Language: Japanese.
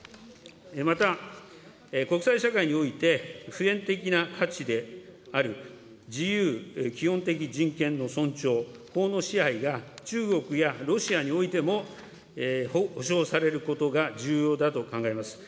また、国際社会において、普遍的な価値である自由、基本的人権の尊重、法の支配が中国やロシアにおいても保障されることが重要だと考えます。